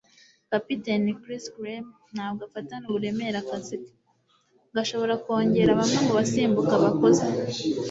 Kapiteni Chris Kleme ntabwo afatana uburemere akazi ke, gashobora kongera bamwe mubasimbuka bakuze.